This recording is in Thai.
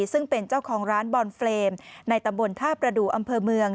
ซึ่งเป็นเจ้าของร้านบอลเฟรมในตำบลท่าประดูกอำเภอเมือง